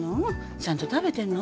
ちゃんと食べてんの？